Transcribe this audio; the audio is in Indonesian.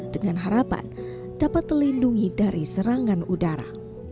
dengan harapan dapat terlindungi dari serangan udara